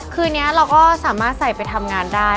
คืนนี้เราก็สามารถใส่ไปทำงานได้